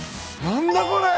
何だこれ！